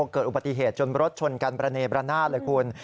เกิดอุบัติเหตุจนรถชนกันประเนบรนาศเลยคุณ